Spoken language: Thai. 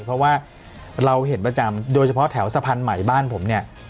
เพราะว่าเราเห็นประจำโดยเฉพาะแถวสะพานใหม่บ้านผมเนี่ย